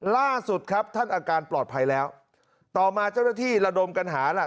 ล่าสุดครับท่านอาการปลอดภัยแล้วต่อมาเจ้าหน้าที่ระดมกันหาล่ะ